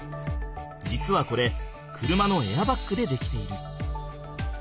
実はこれ車のエアバッグで出来ている。